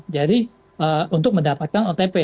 jadi untuk mendapatkan otp